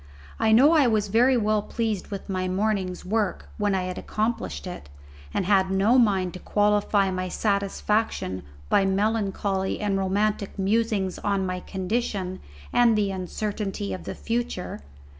I know I was very well pleased with my morning's work when I had accomplished it, and had no mind to qualify my satisfaction by melancholy and romantic musings on my condition and the uncertainty of the future.